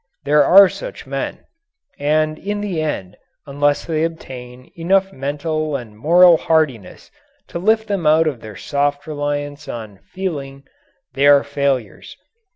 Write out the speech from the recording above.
There are such men. And in the end, unless they obtain enough mental and moral hardiness to lift them out of their soft reliance on "feeling," they are failures.